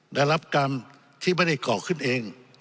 และรับการที่ไม่ได้ก่อขึ้นเอง